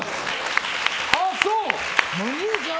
ああそう。